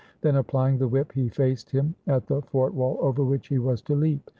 Then applying the whip he faced him at the fort wall over which he was to leap.